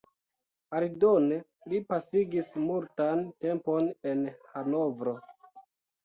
Aldone li pasigis multan tempon en Hanovro.